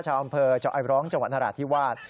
ชาวอำเภอเจาะไอบร้องจังหวัดนราธิวาส